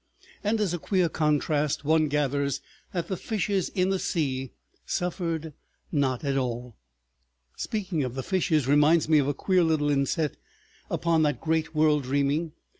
And as a queer contrast one gathers that the fishes in the sea suffered not at all. ... Speaking of the fishes reminds me of a queer little inset upon that great world dreaming.